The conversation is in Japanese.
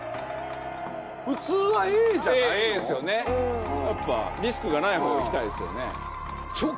ＡＡですよねやっぱリスクがないほういきたいですよね